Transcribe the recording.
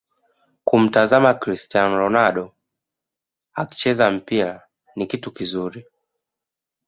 Kumtazama Crstiano Ronaldo akicheza mpira ni kitu kizuri